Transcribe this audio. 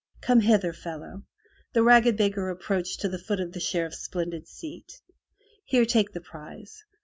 Come hither, fellow." The ragged beggar approached to the foot of the Sheriff's splendid seat. "Here take the prize.